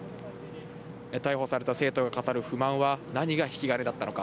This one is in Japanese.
逮捕された生徒が語る不満は、何が引き金だったのか。